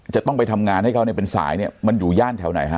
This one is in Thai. จะต้องไปทำงานให้เขาเนี่ยเป็นสายเนี่ยมันอยู่ย่านแถวไหนฮะ